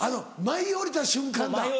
舞い降りた瞬間。